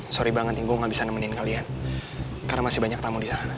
sorry banget tim gue gak bisa nemenin kalian karena masih banyak tamu di sana